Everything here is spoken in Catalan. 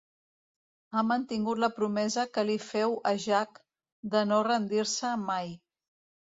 Ha mantingut la promesa que li féu a Jack de no rendir-se mai.